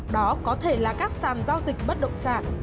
đó có thể là các sàn giao dịch bất động sản